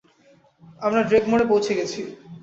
আমরা ড্রেগমোরে পৌঁছে গেছি।